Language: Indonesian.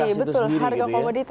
harga komunitas itu sendiri gitu ya